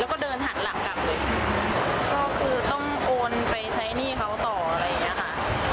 แล้วก็เดินหักหลังกลับเลยก็คือต้องโอนไปใช้หนี้เขาต่ออะไรอย่างเงี้ยค่ะ